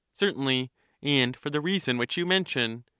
Certainly, and for the reason which you mention.